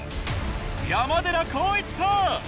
山寺宏一か？